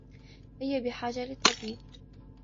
هي بحاجة لطبيب.